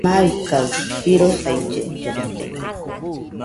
Maikaɨ jirosaille llote